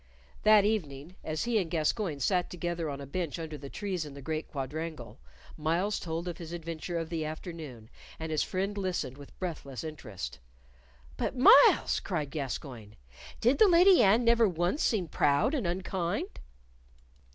That evening, as he and Gascoyne sat together on a bench under the trees in the great quadrangle, Myles told of his adventure of the afternoon, and his friend listened with breathless interest. "But, Myles," cried Gascoyne, "did the Lady Anne never once seem proud and unkind?"